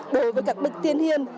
đối với các bậc tiên hiền